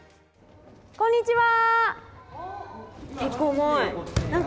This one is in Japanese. こんにちは！